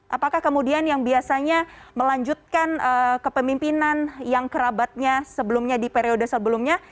apakah kemudian yang biasanya melanjutkan kepemimpinan yang kerabatnya sebelumnya di periode sebelumnya